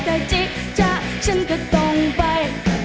แต่จิจะฉันก็ต้องไป